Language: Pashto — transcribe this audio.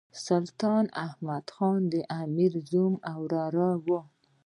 سلطان احمد خان د امیر زوم او وراره وو.